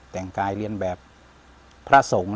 แต่งกายเลียนแบบพระทรง